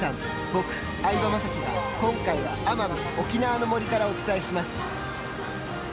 僕、相葉雅紀が今回は奄美・沖縄の森からお伝えします。